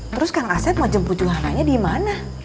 terus kang aset mau jemput juhananya di mana